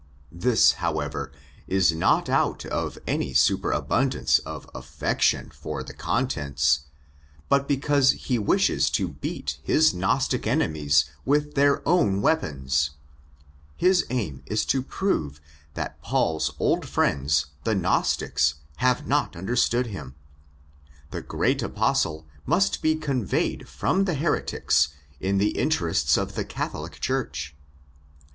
This, however, is not out of any superabundance of JUSTIFICATION OF THE PROPOSED EXPLANATION 155 affection for the contents, but because he wishes to beat his Gnostic enemies with their own weapons. His aim is to prove that Paul's old friends, the Gnostics, have not understood him. The great Apostle must be '' conveyed '' from the "heretics '' in the interests of the Catholic Church.